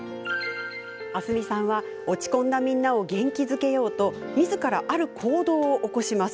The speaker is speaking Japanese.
明日海さんは落ち込んだみんなを元気づけようとみずから、ある行動を起こします。